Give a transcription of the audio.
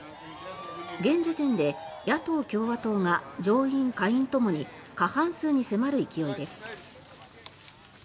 現時点で野党・共和党が上院、下院ともに過半数に迫る勢いです。